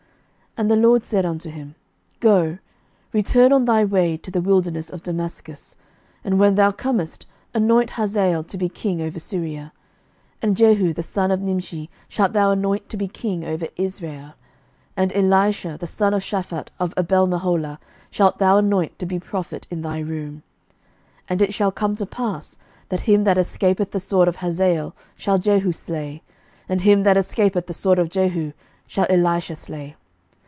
11:019:015 And the LORD said unto him, Go, return on thy way to the wilderness of Damascus: and when thou comest, anoint Hazael to be king over Syria: 11:019:016 And Jehu the son of Nimshi shalt thou anoint to be king over Israel: and Elisha the son of Shaphat of Abelmeholah shalt thou anoint to be prophet in thy room. 11:019:017 And it shall come to pass, that him that escapeth the sword of Hazael shall Jehu slay: and him that escapeth from the sword of Jehu shall Elisha slay.